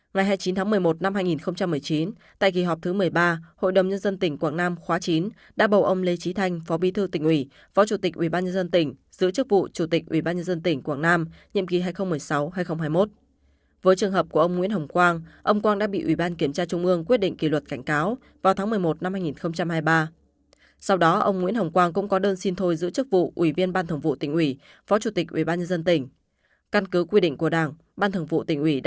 ngày hai mươi chín tháng một mươi một năm hai nghìn một mươi chín tại kỳ họp thứ một mươi ba hội đồng nhân dân tỉnh quảng nam khóa chín đã bầu ông lê trí thanh phó bí thư tỉnh ủy phó chủ tịch ủy ban nhân dân tỉnh giữ chức vụ chủ tịch ủy ban nhân dân tỉnh quảng nam nhiệm kỳ hai nghìn một mươi sáu hai nghìn hai mươi một